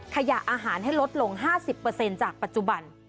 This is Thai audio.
ขยะอาหารให้ลดลง๕๐เปอร์เซ็นต์จากปัจจุบัน